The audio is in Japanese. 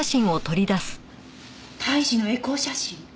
胎児のエコー写真？